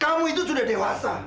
kamu itu sudah dewasa